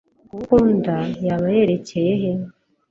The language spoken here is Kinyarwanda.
uwo ukunda yaba yerekeye he